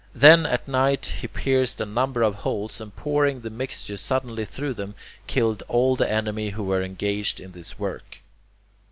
Then, at night, he pierced a number of holes, and pouring the mixture suddenly through them, killed all the enemy who were engaged in this work.